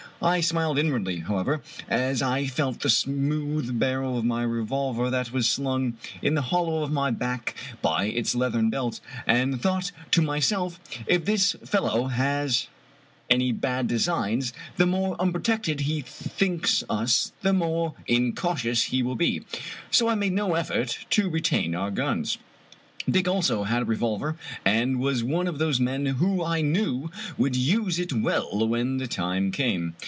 I smiled inwardly, however, as I felt the smooth barrel of my revolver that was slung in the hollow of my back by its leathern belt, and thought to my self, " If this fellow has any bad designs, the more unpro tected he thinks us the more incautious he will be," so I made no effort to retain our guns. Dick also had a revol ver, and was one of those men who I knew would use it well when the time came.